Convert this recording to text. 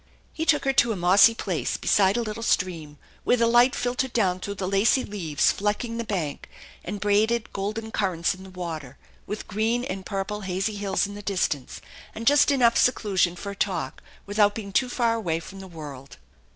He took her to a mossy place beside a little stream, where the light filtered down through the lacy leaves flecking the bank, and braided golden currents in the water; with green and purple hazy hills in the distance, and just enough se clusion for a talk without being too far away from the world.